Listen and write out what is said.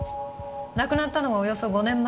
亡くなったのはおよそ５年前。